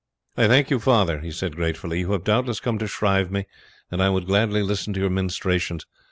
"I thank you, father," he said gratefully; "you have doubtless come to shrive me, and I would gladly listen to your ministrations.